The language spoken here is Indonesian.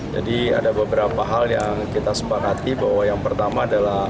jadi ada beberapa hal yang kita sepakati bahwa yang pertama adalah